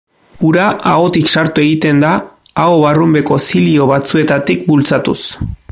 Ura ahotik sartu egiten da aho-barrunbeko zilio batzuetatik bultzatuz.